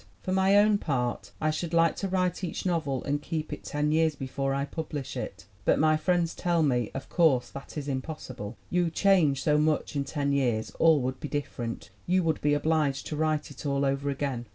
For my own part, I should like to write each novel and keep it ten years before I publish it. But my friends tell me, 'Of course, that is impossible. You change so much in ten years all would be different. You would be obliged to write it all over again.'